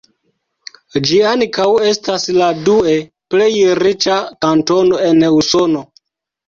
Ĝi ankaŭ estas la due plej riĉa kantono en Usono.